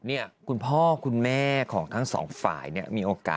นี่น่ะใช่มะ